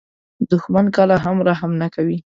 دښمن کله هم رحم نه کوي